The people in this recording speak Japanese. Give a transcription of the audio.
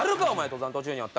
登山途中に。